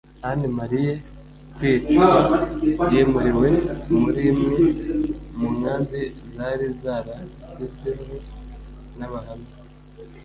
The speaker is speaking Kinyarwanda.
ananie amariye kwicwa yimuriwe muri imwe mu nkambi zari zarashyizweho n’abahamya